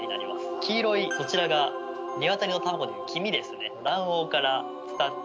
黄色いそちらが鶏の卵でいう黄身ですね。